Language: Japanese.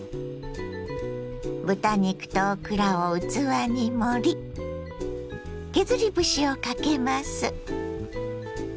豚肉とオクラを器に盛り削り節をかけます。